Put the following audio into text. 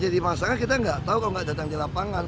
kepada pasukan kita tidak tahu jika tidak datang di lapangan